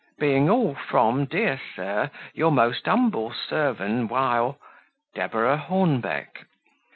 Being all from, deer Sur, your most umbell servan wile "Deborah Hornbeck."